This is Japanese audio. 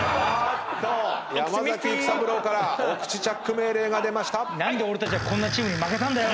山崎育三郎からお口チャック命令が出ました。